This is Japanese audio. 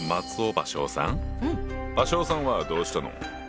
芭蕉さんはどうしたの？